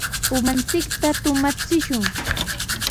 Umanchikta tumachishun.